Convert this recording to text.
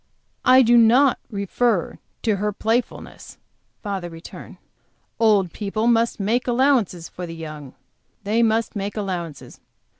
"I did not refer to her playfulness," father returned. "Old people must make allowances for the young; they must make allowances.